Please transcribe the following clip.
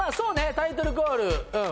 タイトルコールうん。